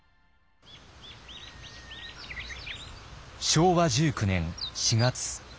昭和１９年４月。